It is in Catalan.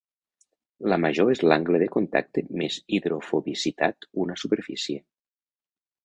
La major és l'angle de contacte més hidrofobicitat una superfície.